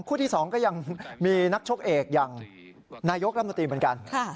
ที่๒ก็ยังมีนักชกเอกอย่างนายกรัฐมนตรีเหมือนกัน